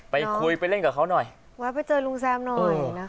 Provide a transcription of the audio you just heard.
ไปคุยไปเล่นกับเขาหน่อยแวะไปเจอลุงแซมหน่อยนะคะ